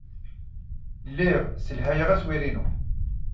Lliɣ sselhayeɣ aswir-inu.